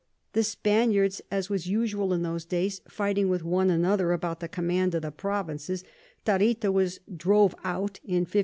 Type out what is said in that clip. The Spaniards, as was usual in those days, fighting with one another about the Command of the Provinces, Tarita was drove out in 1561.